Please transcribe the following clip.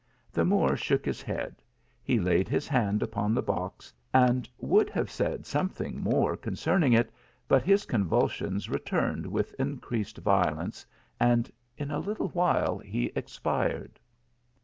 The Moor shook his head ; he laid his hand upon the box, and would have said something more con cerning it, but his convulsions returned with in creased violence, and in a little while he expired.